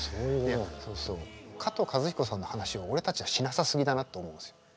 加藤和彦さんの話を俺たちはしなさ過ぎだなって思うんですよ。